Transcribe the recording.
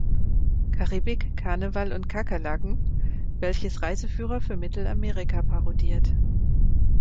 Karibik, Karneval und Kakerlaken", welches Reiseführer für Mittelamerika parodiert.